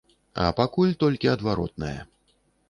А пакуль толькі адваротнае.